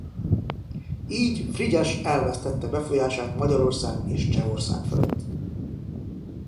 Így Frigyes elvesztette befolyását Magyarország és Csehország fölött.